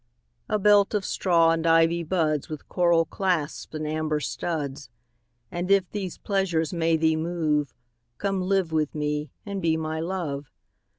A belt of straw and ivy buds With coral clasps and amber studs: And if these pleasures may thee move, Come live with me and be my Love.